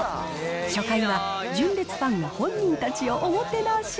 初回は純烈ファンが本人たちをおもてなし。